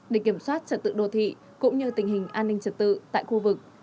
để kiểm soát trật tự đô thị cũng như tình hình an ninh trật tự tại khu vực